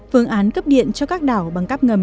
phương án cấp điện cho các đảo bằng cắp ngầm